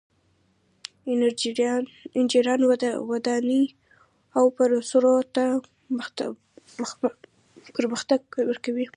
انجینران ودانیو او پروسو ته پرمختګ ورکوي.